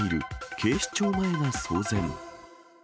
警視庁前が騒然。